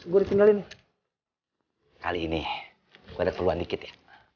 gue tinggalin kali ini gue ada peluang dikit ya